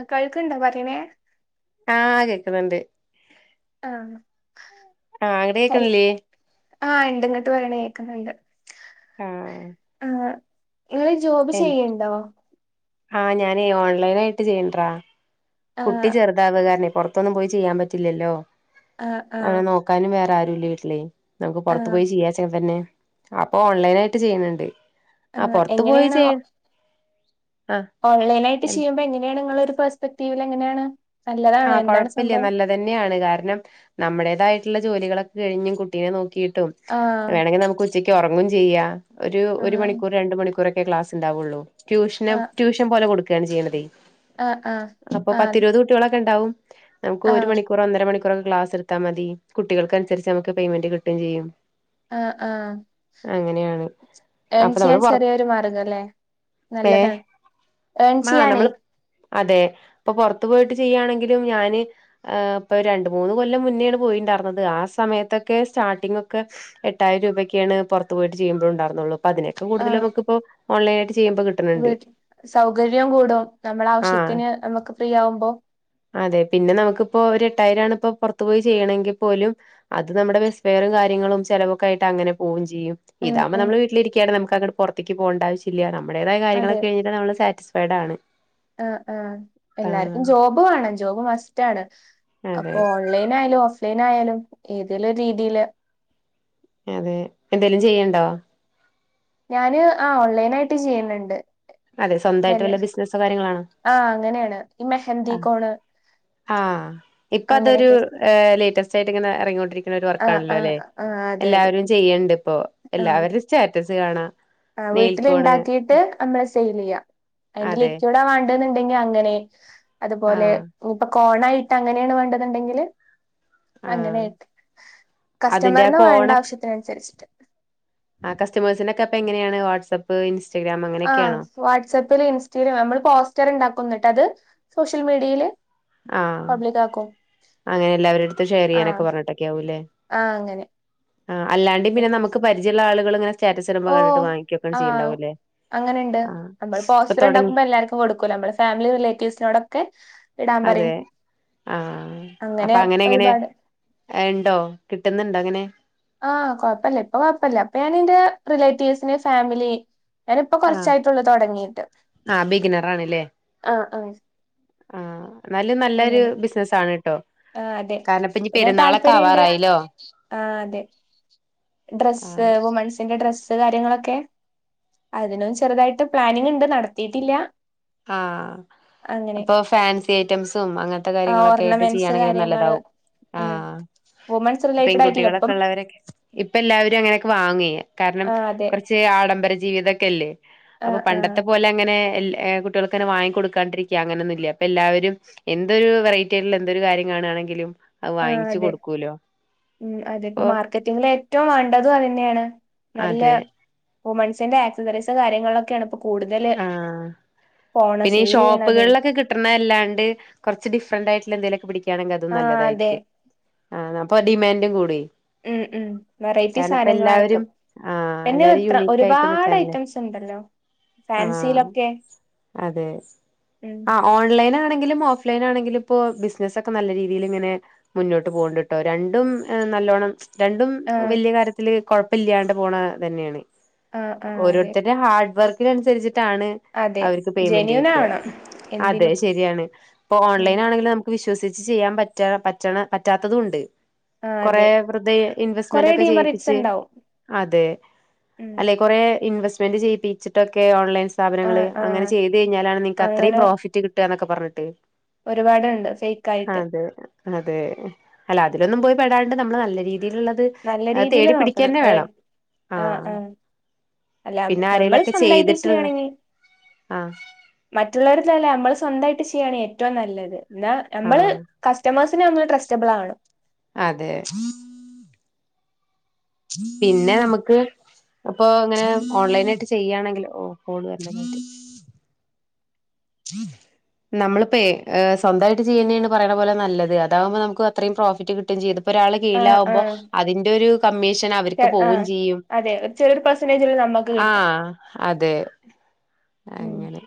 ആ കഴിക്കന്താ പറയണേ ആ കേക്കുന്നുണ്ട് ആഹ് ആ അങ്ങടെ കേക്കണില്ലേ ഇങ്ങോട്ട് വരണ കേക്കുന്നുണ്ട് ആ നിങ്ങള് ജോബ് ചെയ്യണ്ടോ ആഹ് ഞാനീ ഓൺലൈൻ ആയിട്ട് ചെയ്യണ്ടറാ കുട്ടി ആഹ് ചെറുതാവുക കാര പുറത്തൊന്നും പോയി ചെയ്യാൻ പറ്റില്ലല്ലോ ആഹ് ആഹ് അങ്ങനെ നോക്കാനും വേറെ ആരുല്ല വീട്ടിലേ നമുക്ക് പുറത്തു ആഹ് പോയി ചെയ്യാച്ച തന്നെ അപ്പൊ ഓൺലൈൻ ആയിട്ട് ചെയ്യുന്നുണ്ട് ആ ആഹ് പൊറത്തു പോയി എങ്ങനെയാണ് ചെയ്യൻ ഓൺലൈൻ ആയിട്ട് ചെയ്യുമ്പോ എങ്ങനെയാണ് നിങ്ങള ഒരു പെർസ്പെക്ടീവില് എങ്ങനെയാണ് നല്ലതാണോ ആ എന്താണ് കൊഴപ്പില്ല സംഭവം നല്ലതന്നെയാണ് കാരണം നമ്മുടേതായി ജോലികളൊക്കെ കഴിഞ്ഞു കുട്ടീനെ നോക്കിയിട്ടും ആഹ് വേണമെങ്കിൽ നമുക്ക് ഉച്ചയ്ക്ക് ഉറങ്ങും ചെയ്യാം ഒരു ഒരു ആഹ് മണിക്കൂർ രണ്ട് മണിക്കൂറോക്കെ ക്ലാസ് ഉണ്ടാവുള്ളൂ ട്യൂഷന് ട്യൂഷൻ പോലെ കൊടുക്കുകയാണ് ചെയ്യണതേ ആ ആഹ് അപ്പൊ ആ പത്തിരുപത് കുട്ടികളൊക്കെ ഉണ്ടാവും നമുക്ക് ഒരു മണിക്കൂർ ഒന്നര മണിക്കൂ കൂറും ക്ലാസ് എടുത്താ മതി കുട്ടികൾക്ക് അനുസരിച്ച് നമുക്ക് പെയ്മെന്റ് കിട്ടും ചെയ്യും ആ ആ അങ്ങനെയാണ് എൻ അപ്പൊ നമ്മള് ചെയ്യാൻ പൊറ ചെറിയൊരു മാർഗം അല്ലെ ഏ നല്ലതാണ് ഏൺ ആ ചെയ്യാനെ നമ്മള് അതെ അപ്പൊ പുറത്ത് പോയിട്ട് ചെയ്യായാണെങ്കിലും ഞാന് ഇപ്പ രണ്ട് മൂന്ന് കൊല്ലം മുന്നോണ് പോയിണ്ടായിരുന്നത് ആ സമയത്തൊക്കെ സ്റ്റാർട്ടിങ് ഒക്കെ എട്ടായിരം രൂപൊക്കെയാണ് പുറത്ത് പോയിട്ട് ചെയ്യുമ്പോ ഉണ്ടായിരുന്നുള്ളൂ അതിനൊക്കെ കൂടുതല് ആഹ് ഇപ്പൊ ഓൺലൈൻ ആയിട്ട് ചെയ്യുമ്പോ കിട്ടുന്നുണ്ട് വീട്ട് ആ ത്തിന് നമുക്ക് ഫ്രീ ആവുമ്പോ അതെ പിന്നെ നമുക്കിപ്പോ ഒരു എട്ടായിരംണ ഇപ്പോ പുറത്തു പോയി ചെയ്യണെങ്കിൽ പോലും അത് നമ്മുടെ ബെസ്റും കാര്യങ്ങളും ചിലവൊക്കായിട്ട് അങ്ങനെ പോകും ചെയ്യും ഉം ഇതാവുമ്പ ഉം നമ്മ വീട്ടിലിരിക്ക നമുക്ക് അങ്ങ പുറത്തേ പോകണ്ടാവശില്ല നമ്മടേതായ കാര്യൊക്കെ കഴിഞ്ഞി നമ്മ സാറ്റിസ്ഫൈഡ് ആണ് ആ ആ എല്ലാർക്കും ആഹ് ജോബ് വേണം ജോബ് മസ്റ്റ് ആണ് അതെ അപ്പൊ ഓൺലൈൻ ആയാലും ഓഫ്ലൈൻ ആയാലും ഏതെങ്കലും രീതിയില് അതെ എന്തേലും ചെയ്യണ്ടോ ഞാന് ആ ഓൺലൈനായിട്ട് ചെയ്യുന്നുണ്ട് അതെ സ്വന്തമായിട്ട് തന്നെ വല്ല ബിസിനസോ കാര്യങ്ങളാണോ ആ അങ്ങനെയാണ് ഈ മെഹന്തി കോണ് ആ ഇപ്പൊ അതൊരു അങ്ങനെയൊക്കെ ലേറ്റസ്റ്റ് ആയിട്ട് ഇങ്ങനെ ഇറങ്ങൊണ്ടിരിക്കുന്ന ഒരു ആഹ് വർക്കാണല്ലോ ആഹ് അല്ലെ ആഹ് അതെ അതെ എല്ലാവരും ചെയ്യണ്ട് ഇപ്പോ എല്ലാവരുടെ സ്റ്റാറ്റസ് കാണാം ആ വീട്ടില നെയിൽക്കോണ് ഉണ്ടാക്കിട്ട് നമ്മളെ സെയിൽ ചെയ്യാം അതിന്റെ അതെ ലിക്യവിഡാ വേണ്ടു അങ്ങനെ അതുപോലെ ആഹ് ഇപ്പൊ കോണായിട്ട് അങ്ങനെയാണ് വേണ്ടത്ണ്ടെങ്കിൽ അങ്ങനെ ആഹ് അതിന്റെ ആ കസ്റ്റമറിന് വേണ്ട കോണൊ ആവശ്യത്തിന് അനുസരിച്ചിട്ട് ആ കസ്റ്റമേഴ്നൊക്കെ എങ്ങനെയാണ് വാട്സആപ്പ് ഇൻറ്റ ആ വാട്സാപ്പില് ഇൻസ്റ്റിലും നമ്മള് പോസ്റ്റർ ഉണ്ടാക്കന്നിട്ട് അത് സോഷ്യൽ മീഡിയയില് ആഹ പബ്ലിക് ആക്കും അങ്ങനെ എല്ലാവരു അടുത്തും ഷെയർ ചെയ്യാനൊക്കെ ആഹ് പറഞ്ഞിട്ടൊക്കെ ആാവൂല്ലേ ആഹ് അങ്ങനെ ആ് അല്ലാണ്ടേ പിന്നെ നമുക്ക് പരിചയുള്ള ആളുകൾ ഇങ്ങനെ സ്റ്റാറ്റസ് ഇരുമ്പോ കണ്ടിട്ട് വാങ്ങിക്കുവോക്കെ ചെയ്യണ്ടാവൂല്ലേ അങ്ങനെയുണ്ട് ആ നമ്മൾ ഇപ്പൊ പോസ്റ്റർ തുടങ്ങി ഉണ്ടാക്കുമ്പോ എല്ലാവർക്കും കൊടുക്കൂ നമ്മൾ ഫാമിലി റിലേറ്റീവ്സിനോടൊക്കെ ഇടാൻ പറയും അതെ ആഹ അപ്പൊ അങ്ങനെ എങ്ങനെ ഇണ്ടോ കിട്ടുന്നുണ്ട് അങ്ങനെ ആഹ കൊഴപ്പില്ല ഇപ്പൊ കൊഴപ്പില്ല അപ്പൊ ഞാന എന്റെ റിലേറ്റീവ്സിന് ഫാമിലി ആഹ് ഞാനിപ്പോകൊറച്ചായിട്ടുള്ള തുടങ്ങീട്ട് ആ ബിഗിനർ ആണല്ലേ ആഹ ആ ആ നല്ല നല്ലൊരു ബിസിനസ ആണ് കേട്ടോ ആഹ് അതെ കാരണം ഇപ്പ ഇനി പിന്നെ പെരുന്നാളൊക്കെ താല്പര്യണ്ട് ആവാറായില്ലോ ആ ഡ്രസ് വുമൺസിന്റെ ഡ്രസ്സ് സ്സ്കാര്യങ്ങളൊക്കെ അതിനും ചെറുതായിട്ട് പ്ലാനിങ് ഉണ്ട് നടത്തിട്ടില്ല ആഹ അപ്പൊ ഫാൻസി ഐറ്റംസും അങ്ങനത്തെ ആ കാര്യങ്ങളൊക്കെ ആയിട്ട് ഓർണമെന്റ്സ് ചെയ്യുകയാണെങ്കും കാര്യങ്ങള് നല്ലതാവും ഉം ആഹ വുമൺസ് റിലേറ്റഡ് ആയിട്ടില്ല പെൺകുട്ടികളൊക്കെ ഇപ്പം ഉള്ളവരൊക്കെ ഇപ്പൊ എല്ലാവരും അങ്ങനെയൊക്കെ വാങ്ങുക കാരണം ആ കുറച്ച് ആഡംബര ജീവിതൊക്കെല്ലേ ആഹ ആഹ കുട്ടികൾക്കന്നെ വാങ്ങി കൊടുക്കാണ്ടരിക്ക അങ്ങനൊന്നല്ല പ്പ എല്ലാവരുംഎന്തൊരു വെറൈറ്റി ആട്ടുള്ള എന്തൊരു കാര്യം കാണാണെങ്കിലും അത് ആ വാങ്ങിച്ചു അതെ കൊടുക്കൂല്ലോ ഉം അതെപ്പോ മാർക്കറ്റിങ്ങിൽ ഏറ്റവും വേണ്ടതും അതന്നെയാണ് നല്ല അതെ വുമൺസിന്റെ ആക്സസറീസ് കാര്യങ്ങളൊക്കെയാണ് ഇപ്പോ കൂടുതൽ ആഹ് പിന്നെ ഈ ഷോപ്പുകളിലൊക്കെ കിട്ടണ അല്ലാണ്ട് കുറച്ച് ഡിഫറന്റ് ആയിട്ടുള്ള എന്തെലുംക്കെ ണെങ്കിൽ അത് ആ അതെ നല്ലതായിരിക്കും ആ അപ്പൊ ഡിമാൻഡും കൂടി ഉം ഉം വെറൈറ്റി കാരണം ഇപ്പ സാധനങ്ങൾ എല്ലാവരും ആർക്കും ആഹ് പിന്നെ എല്ലാരും എത്ര ഒരുപാട് ഐറ്റംസ് ഉണ്ട് ണ്ടലോ ആഹ അതെ ഉം ആ ഓൺലൈ ലൈൻആണെങ്കിലും ഓഫ് ലൈൻ ആണെങ്കിലും ഇപ്പോ ബിസിനസ് ഒക്കെ നല്ല രീതിയിൽ ഇങ്ങനെ മുന്നോട്ട് പോകണ്ടിട്ടോ രണ്ടും നല്ലോണ്ണം രണ്ടും ആ വലിയ കാര്യത്തില് കൊഴപ്പില്ലാണ്ട് പോണ തന്നെയാണ് ആ ആ അതെ ഓരോരുത്തടെ ഹാർഡ് വർക്കിനനുസരിച്ചിട്ട ട്ടണ് അതെ അവർക്ക് പേയ്മെന്റ് ജെന്യൂൻ കിട്ടുക ആവണം അതെ എന്തിനും ശരിയാണ് അപ്പൊ ഉം ഓൺലൈൻ ആണെങ്കിൽ നമുക്ക് വിശ്വസിച്ച ചെയ്യാൻ പറ്റാ പറ്റ പറ്റാത്തതും ഉണ്ട് ആഹ് അതെ കൊറെ വെറുതെ കൊറേ ഇൻവെസ്റ്റ്മെന്റ് ഒക്കെ ഡീമറിറ്റ്സ് ചെയ്യിപ്പിച്ച് ഉണ്ടാവും അതെ ഉം അല്ലെ കുറെ ഇൻവെസ്റ്റ് സ്പെന്റ് ചെയ്പ്പിച്ചിട്ടൊക്കെ ഓൺലൈൻ ആഹ് സ്ഥാപനങ്ങള് അങ്ങനെ ആഹ് ചെയ്ത് കഴിഞ്ഞാണ് നിൾക്ക് അത്രയും അങ്ങനെ പ്രോഫിറ്റ് കിട്ടുക എന്നൊക്കെ പറഞ്ഞ് പറഞ്ഞിട്ട് ഒരുപാടുണ്ട് ഫേക്ക ആയിട്ട് അതെ അതെ അല്ല അതിലൊന്നും പോയി പെടാണ്ട് നമ്മള് നല്ല രീതി രീതിയിലുള്ളത് നല്ല രീതിയില് തേടി നോക്കണം പിടിക്കന്നെ ഏഹ് വേണം ആ ആഹ് ആഹ് അല്ല നമ്മൾ സ്വന്തമായിട്ട് ചെയ്യാണെങ്കിൽ ആഹ് മറ്റു ള്ളടത്തല്ല നമ്മൾ സ്വന്തമായിട്ട് ചെയ്യ സ്വന്തായിട്ട് ചെയ്യാണ് ഏറ്റവും നല്ലത് എന്നാ നമ്മള് ആഹ് കസ്റ്റമേഴ്സിന് നമ്മള് ട്രസ്റ്റബിൾ ആവണം അതെ പിന്നെ നമുക്ക് അപ്പൊ ഇങ്ങനെ ഓൺലൈന ആയിട്ട് ചെയ്യാണെങ്കിൽ ഓ കോൾ വര നമ്മളിപ്പേ സ്വന്തമായിട്ട് ചെയ്യുന്നാണ് പറയണ പോലെ നല്ലത് ഇതാകുമ്പ നമുക്ക് അത്രം പ്രോഫിറ്റ് കിട്ടും ചെയ്തു ഒരാള് ആഹ് കീഴിലാവുമ്പോ ആഹ് അതിന്റെ ഒരു കമ്മീഷൻ അവർക്ക് പോവും ആഹ് ചെയ്യും അതെ ഒരു ചെറിയൊരു പെർസെന്റേജില് നമ്മക്ക് കിട്ടും ആഹ് അതെ ഉം അങ്ങനെ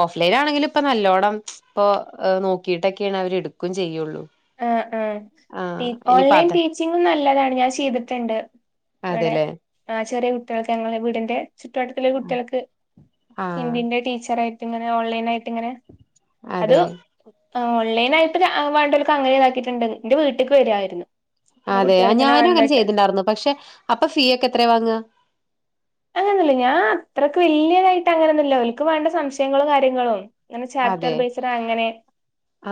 ഓഫ്ലൈൻ ആണെങ്കിലും ഇപ്പൊ നല്ലോണ്ണം ഇപ്പ നോക്കിട്ടൊക്കെയാണ് അവര് എടുക്കും ചെയ്യോള്ളൂ ആ ആ ടി ഓൺലൈൻ അത ടീച്ചിങ്ങും നല്ലതാണ് ഞാൻ ചെയ്ത്ട്ട്ണ്ട് ഇവ്ടെ അതെല്ലേ ആ ചെറിയ കുട്ടികൾക്ക് ഞങ്ങളെ വീടിന്റെ ചുറ്റുവട്ടത്തിലെ ഒര് കുട്ടികൾക്ക് ആഹ് ഹിന്ദിന്റെ ടീച്ചറായിട്ട് ഇങ്ങനെ ഓൺലൈൻ ആയിട്ടിങ്ങനെ അത് അതെ ഓൺലൈനായിട്ട് വാണ്ടോല്ക്ക് അങ്ങനെ ഇതാക്കിട്ട്ണ്ട് ന്റെ വീട്ടിക്ക് വരുവാരുന്നു അതെ ഞാനും അങ്ങനെ ചെയ്ത്ണ്ടാർന്നു പക്ഷേ അപ്പൊ ഫീ ഒക്കെ എത്രയാ വാങ്ങ അങ്ങനൊന്നുല്ല ഞാൻ അത്രക്ക് വല്യതായിട്ട് അങ്ങനൊന്നുല്ല ഓൽക്ക് വേണ്ട സംശയങ്ങളും കാര്യങ്ങളും അങ്ങനെ ചാപ്റ്റർ അതെ ബേസ്ഡ് അങ്ങനെ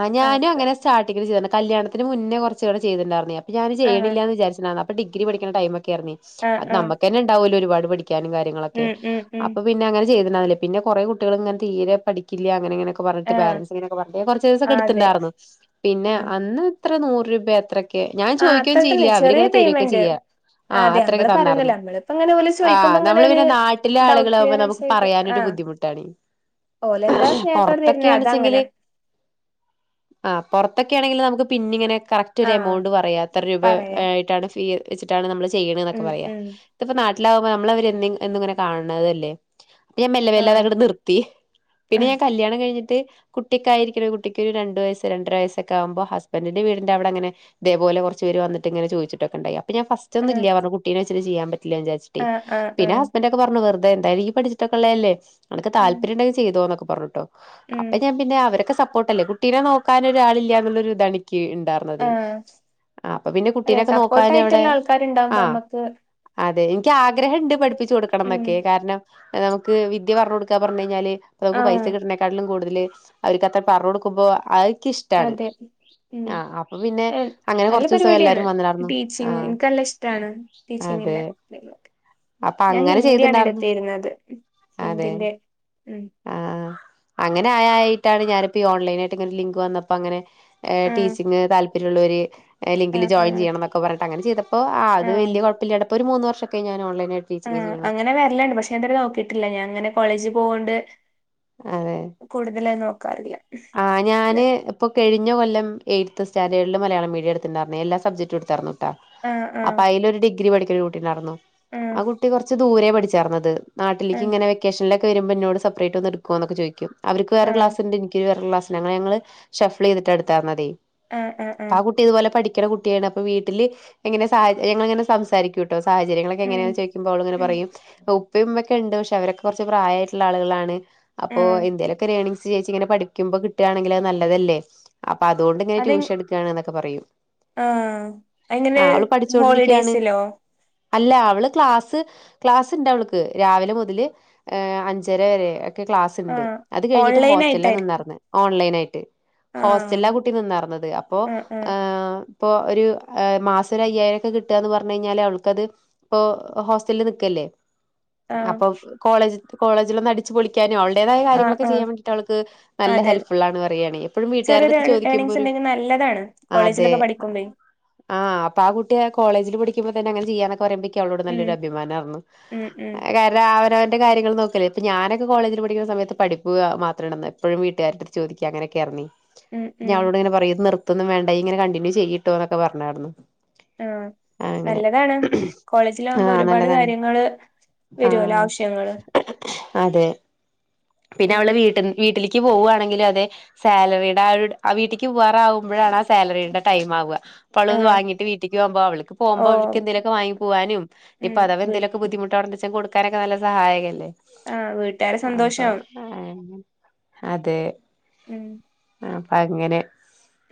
ആ ഞാനും അങ്ങനെ സ്റ്റാർട്ടിങ്ങ് ചെയ്തണ്ണേ കല്യാണ ന് മുന്നേ കൊറച്ച് നാള് ചെയ്ട്ട്ണ്ടാരുന്നെ അപ്പോ ഞാന് ആഹ് ചെയ്യണില്ലാന്ന് വിചാരിച്ചിര്ന്ന അപ്പ ഡിഗി പഠിക്കുന്ന ടൈമൊക്കെ ക്കാർന്നെ ആഹ് അത് ആഹ് നമ്മുക്കന്നെ ണ്ടാവ് ലോ ഒരുപാട് പഠിക്കാനും കാര്യങ്ങളൊക്കെ ഉം ഉം ഉം അപ്പൊ പിന്നെ അങ്ങനെ ചെയ്ത്ണ്ടാർനില്ല പിന്നെ കൊറെ കുട്ടികള് ഇങ്ങനെ തീരെ പഠിക്കില്ല അങ്ങനെങ്ങനെ ക്കെ പറഞ്ഞിട്ട് ആഹ് പാരൻസിങ്ങനെ പറഞ്ട്ട് ഞാൻ കൊറച്ച് ദിവസൊക്കെ ആഹ് അതെ എടുത്തുണ്ടാരുന്നു പിന്നെ ആഹ് അന്ന് എത്ര നൂറ് രൂപ അത്ര ഞാൻ ആഹ് ചോയിക്കുയും അത്ര ചെയ്യില്ല തന്നെ ചെറിയ അവരിങ്ങനെ തര്ഒക്കെ പേയ്മെന്റ് ചെയ്യാ ആഹ് അതെ അത്രൊക്കെ നമ്മള് തന്നാർന്നു പറഞ്ഞല്ലോ നമ്മളിപ്പോ ഇങ്ങനെ ഓല് ആഹ് ചോദിക്കുമ്പോ ഇങ്ങനെ നമ്മള് ഒരു പിന്നെ നാട്ടിലെ ഡൗട്ട് ആളുകളാകുമ്പോ നമുക്ക് പറയാനൊരു ബു ബുദ്ധിമുട്ടാണി ഓൽ പൊറത്തൊക്കെയാണ്ച്ചങ്കില് ആ പൊറത്തൊക്കെ ആണെങ്കില് നമുക്ക് പിന്നെ ഇങ്ങനെ കറക്റ്റ് ഒര് ആഹ് എമൗണ്ട് പറയാ എത്ര രൂപ പറയാ ആയിട്ടാണ് ഫീ വെച്ചിട്ടാണ് നമ്മള് ചെ ചെയ്യണ്നൊക്കെ ഉം പറയാ ഉം ഇതിപ്പോ നാട്ടിലാകുമ്പോ നമ്മള് അവരെ എന്നും ഇങ്ങനെകാണ്തല്ലേ പിന്നെ ഞാൻ മെല്ലെമെല്ലെ ആഹ് അതങ്ങ്ട് നിർത്തി പിന്നെ ആഹ് ഞാൻ കല്യാണം ക കഴിഞ്ഞിട്ട് കുട്ടിക്കെ ആയിരിക്കുന്ന കുട്ടിക്ക് ഒരു രണ്ട് വയസ് രണ്ടര വയസൊക്കെകുമ്പ ഹസ്ബൻഡിന്റെ വീടിന്റെ അവിടെ അങ്ങനെ അതെ പോലെകൊറ്ച്ച് പേര് വിന്നിട്ട്ങ്ങനെ ചോയിച്ചിട്ടൊക്കെണ്ടായ അപ്പ ഞാൻ ഫസ്റ്റ് ഒന്നും ആഹ് ഇല്യാ പറഞ്ഞു കുട്ടീനെ വെച്ചിട്ട് ചെയ്യൻപറ്റില്ലാന്ന് വിജാര്ച്ചിട്ടെ ആഹ് ആഹ് പിന്നെ ആഹ് ഹസ്ബന്റൊക്കെപറഞ്ഞു വെറു ഇതന്തയലും ഇയ്യ് പഠിച്ചിട്ടൊക്കെള്ളയല്ലേ അനക്ക് ഉം താല്പര്യംണ്ടെങ്കി ചെയ്തോ നൊക്കെ പറഞ്ഞുട്ടൊ ഉം അപ്പെ ഞാൻ പിന്നെ അവരെ ക്ക് ഇണ്ടാർന്നതെ ആഹ് ആഹ് അപ്പ പിന്നെ അതെ കുട്ടീനൊക്കെ നോക്കാന് അവിടെ സപ്പോർട്ടായിട്ടുള്ള ആൾക്കാരുണ്ടാവുമ്പോ ആഹ് നമ്മക്ക് അതെ ക്ക് ആഗ്രഹം ണ്ട് പഠിപ്പിച്ച് കൊടുക്കണം ഉം ന്നൊക്കെ കാര്ണം നമുക്ക് വിദ്യ പറ്ഞ്ഞ കൊടുക്കാ പറഞ്കഴിഞ്ഞാല് നമുക്ക് പൈസ ആഹ് കിട്ട്നേക്കാട്ടിലും കൂടുതല് അവര്ക്ക് അത്ര പറഞ്ഞു കൊടുക്കുമ്പോ അയ്ക്ക് ഇഷ്ട്ടാണ് അതെ ഉം ആഹ് അപ്പ പിന്നെ ഏഹ് അങ്ങനെ നല്ല കൊറ്ച്ചു വസം പരിപാടിയാണ് എല്ലാരും വന്ന് ലാര്ന്നു ആഹ് അതെ കുഞ്ഞിന്റെ എന്തേങ്കിലൊക്കെ അപ്പൊ ഞാൻ അങ്ങനെ ഹിന്ദിയാണ് എട് ചെയ്തിണ്ടാർന്നു തീര്ന്നത് ഹിന്ദിന്റെ ഉം ആ അങ്ങനെ ആയായിട്ടാണ് ഞാനിപ്പോ ഓൺലൈൻ ആയിട്ട് ഇങ്ങനെ ലിങ്ക് വന്നപ്പോ അങ്ങനെ ആഹ് ടീച്ചിംഗ് താല്പര്യള്ളവര് ലിങ്കില് ആഹ് ജോയിൻ ആഹ് ചെയ്യണം ന്നൊക്കെ പറഞ്ഞിട്ട് അങ്ങനെ ചെയ്ത അപ്പോ ആഹ് ആത് വല്യ കൊഴപ്പില്ലട് ഇപ്പൊ മൂന്ന് വർഷക്കെയി ഞാൻ ഓലൈൻ ആഹ് അങ്ങനെ വരല്ണ്ട് പഷേ ഇതുവരെ നോക്കീട്ട്ല്ല ഞാൻ ഇങ്ങനെ കോളേജിൽ പോകൊണ്ട് കൂടുതലായി നോക്കാറില്ല ആഹ് ഞാന് ഇപ്പം കെഴിഞ്ഞ കൊല്ലം എ ത്ത് സ്റ്റാൻഡേഡില് മലയാളം മീഡിയം എടുത്തിണ്ടാർന്നെ എല്ലാ സബ്ജക്റ്റും എടുത്താർന്നുട്ടാ ആഹ് അപ്പൊ ആഹ് അയില് ഒരു ഡിഗ്രി പഠി ഒരു കുട്ടിണ്ടാർന്നു ആഹ് ആ കുട്ടി കൊറച്ച് ദൂരെ പഠിച്ചാർന്നത് നാട്ടിലെക്ക് ആഹ് ഇങ്ങനെ വെക്കേഷൻല്ക്കെ വരുമ്പോ ഇന്നോട് സപ്പ്റേറ്റ് ഒന്ന് ഇട്ക്കോനൊക്കെചോയിക്കും അവർക്ക് വേറെ ആഹ് ക്ലാസ്ണ്ട് ഇ [unintelligible] ഞങ്ങള് ഷഫ്ലള് ചെയ്ട്ട് ഇട്ത്താമതി അഹ് അഹ് അഹ് ക്ക്ണ കുട്ട്യേണ് അപ്പ വീട്ടില് എങ്ങനെ സഹചര്യങ്ങള് ഇങ്ങനെ സംസാരിക്ക്യൂട്ടോ സാഹചര്യങ്ങളൊക്കെ ഉം എങ്ങനെയാ ചോയിക്കുമ്പം അവള് ഇങ്ങനെ ഉം പറയും ഔ ഇപ്പേം മ്മേം ക്കെണ്ട് പഷേ അവരൊക്കെ കൊറ്ച്ച് പ്രായ ആയിട്ട്ള്ള ആളുകളാണ് ആ അപ്പോ എന്തേലൊക്കെ ഒര് ഏണിങ്സ് ചേച്ചി ഇങ്ങനെ പഠി വക്കുമ്പോ കിട്ടുകയാണെങ്കിൽ അത് നല്ലതല്ലേ അപ്പൊ അതുകൊണ്ട് ഇങ്ങനെ ട്യൂഷൻ എടുക്കുകയ എന്നൊക്കെ പറയും ആഹ അങ്ങനെ ആ അവള് പഠിച്ചോണ്ടിരിക്കയാണ് ഹോളിഡേസിലോ അല്ല അവള് ക്ലാസ് ക്ലാസ്സ് ഉണ്ട് അവള്ക്ക് രാവിലെ മുതല് ഹ അഞ്ചര വരെ ക്ലസ് ആ ഉണ്ട് അത് കിഞ്ഞട്ട് ഓൺലൈൻ ഹോസ്റ്റലിൽ ആയിട്ടായിരിക്കും നിന്നിു ഓൺലൈന ആയിട്ട് ആ ഹോസ്റ്റല ആ കുട്ടി നിന്നറന്നത് അപ്പോൊ ആ ആ ഹ ഇപ്പോൊ ഒരു മാസം ഒരു അയ്യായിരംൊക്കെ കിട്ടുകന്ന് പറഞ്ഞ കഴിഞ്ഞാൽ അവൾക്കത് ഇപ്പോൾ ഹോസ്റ്റലിൽ നിൽക്കല്ലേ ആ ലെ അപ്പൊ കോളേജ് കോളേജിൽ ഒന്ന് അടിിച്ചച്ച് പൊളിക്കാനും അവളടേതായ ആ കാര്യങ്ങളൊക്കെ ആ ചെയ്യാൻ വേണ്ടിട്ട് അവൾക്ക് അതെ നല്ല അതെ ഹെൽപഫുുള്ള ആാണ് പറയയാണെ എപ്പോഴും വീട്ടുകാടെ ചെറിയൊരു അടുത്ത് ചോദിക്കുമ്പോ ഏണിങ്സ് ഒരു ഉണ്ടെങ്കിൽ നല്ലതാണ് അതെ കോളേജിലൊക്കെ പഠിക്കുമ്പേ ആഹ് അപ്പൊ ആ കുട്ടിയ കോളേജില് ിക്കെ അന ചെയാക്കെ പറയ്പോ അവളോട് ഉം നല്ലൊരു അഭിമാനയി ഉം ഉം കാരണം അവ കാര്യൾ നോക്കല്ലേ ഇപ്പ ഞാനൊക്കെ കോളേജിൽ പഠിക്കുന്ന സമയത്ത് പഠപ്പുക മാത്രമാണ്ണ എപ്പോഴും വീട്ടുകാടുത്ത് ചോദിക്കുക അങ്ങനൊക്കെ ഇറങ്ങി ഉം ഉം ഞളോട് ഇങ്ങനെ പറയുന്നത് ഇത്തൊന്നും വേണ്ടായി ഇങ്ങനെ കണ്ടിന്യൂ ചെയ്യട്ടോന്നൊക്കെ പറഞ്ഞായിരുന്നു ആ അങ്ങനെ നല്ലതാണ് കോളേജിൽ ആകുമ്പോ ഒരുപാട് കാര്യങ്ങള് വരുവല്ലോ ആവശ്യങ്ങള് ആഹ അതെ പിന്നെ ഉം അവളെ വീട്ട വീട്ടിലേക്ക് പോവുവാണെങ്കിലും അതെ സാലറിയുടെ ആ വീട്ടിലക്ക് പോകവാറകുമ്പോഴാണ് ആ സാലറിയുടെ ടൈംമാവുക പൊ ആ വാങ്ങീട്ട വീട്ടക്ക് പോക്പ അവക്ക് ഓ പോക്പോ അവക്ക് എന്തങ്കൊക്ക വാങ്ങ പോാന ഇപ്പ ഉം അവാ വീ എന്തങ്കൊക്ക ബുദ്ധിുട്ടണ കൊടുക്കാനൊക്കെ നല്ല സഹായകമല്ലേ ആഹ വീട്ടുകാര സന്തോഷവും അതെ ഉം അപ്പ അങ്ങനെ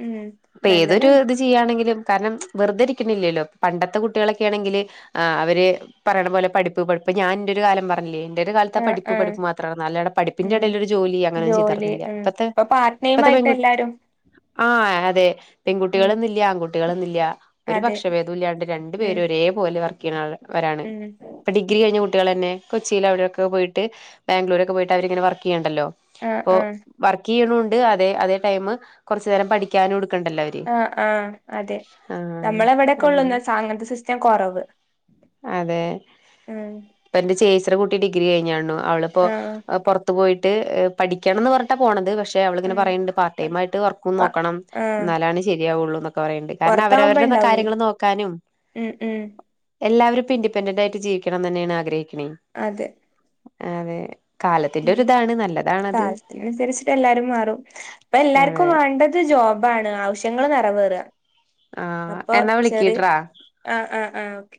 ഉം അപ്പൊ ഏതൊരു നല്ലതാണ് ഇത് ചെയ്യയാണെങ്കിലും കാരണം വെറുതെ ഇരിക്കണില്ലല്ലോ പണ്ടത്തെ കുട്ടികളൊക്കൊണെങ്കിൽ ആ അവര് പറയണ പോലെ പഠിപ്പ് ഇപ്പൊ ഞൻന്റെറെ ഒരു കാലം പറില്ല എന്റെറെ കാലത്തെ ആ പഠിപ്പ് ആ പഠിപ് മാത്രമാണ് അല്ല പഠപ്പിന്റെ ഉം ഇടൽ ഒരു ജോലി അങ്ങനും ജോലി ചെയ്ർന്നില്ല ഉം ഇപ്പത്തെ ഇപ്പൊ പാർട്ട് ടൈം ഇത്തെ പെ ആയിട്ട് എല്ലാരും ആ അതെ ഉം പെൺകുട്ടികളന്ന ഇില്ല ആൺകുട്ടികളന്ന ഇില്ല ഒരു അതെ പക്ഷ വേദമ ഇില്ലാണ്ട് രണ്ടു ഉം പേര് ഒരേ പോോലെ അവർക്ക് വരാണ് ഉം ഇപ്പ ഡിഗ്രി കഴിഞ്ഞ കുട്ടികൾ തന്നെ കൊചിയിൽ അവിടെൊക്കെ പോയിട്ട് ബാംഗ്ലൂൊക്കെ പോയിട്ട് അവരിങ്ങെ വർക്ക് ചെയ്യണ്ടല്ലോ ആഹ് ഇപ്പൊ ആഹ് വർക്ക് ചെയ്യണണ്ട് അതെ അതേ ടൈം കൊറച്ചു നേരം പഠിക്കാനുംടു ആ ആഹ അതെ ആഹ് നമ്മള എവിടെൊക്കെ അങ്ങനെ ഉള്ളുന്ന സാങ്കത സിസ്റ്റം കുറവ് അതെ ഇപ്പ എന്റെ ചേചിന്റെ കുട്ടി ഡിഗ്രി കഴിഞ്ഞാുണ അവളിപ്പോ ആഹ് പുറത്തു പോയിട്ട് പഠിക്കണംന്ന് പറഞ്ഞിട്ടാ പോണത് പക്ഷെ പക്ഷേ അവളിങ്ങന ഉം പറയുന്നുണ്ട് പാർട്ട് ടൈം ആട്ട് വർക്ക്ുംന്ന് പ നോക്കണം ആഹ് എന്നാലാണ് ശരിയാവുള്ളൂ കുറണ്ട് കാരണം പൊറത്താവുമ്പോ അവരവരുടെന്ന ഇണ്ടാവേ കാര്യങ്ങള് നോക്കാനും ഉം ഉം എല്ലാവും ഇഡിപൻറ ആയി് ജീവണംമ തന്നെയാണ്ഗഹം അതെ അതെ കാലത്തിന്റെ ഉം ഒ ഇതാണ് നല്ലത് കാലത്തിനനുസരിച്ചിട്ട് എല്ലാരും മാറും അപ്പ എല്ലാർക്കും അതെ വേണ്ടത് ജോബാണ് ആവശ്യ പങ്ങൾ നിറവേറ ആഹ് അപ്പൊ എന്നാ ശരി വിളിക്കിട്രാ ആ ആഹ ആഹ ഓെ